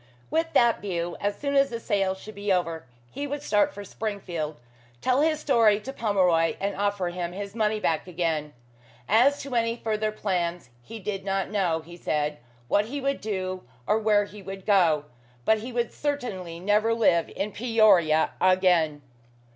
With that view, as soon as the sale should be over he would start for Springfield, tell his story to Pomeroy, and offer him his money back again. As to any further plans, he did not know, he said, what he would do, or where he would go; but he would certainly never live in Peoria again.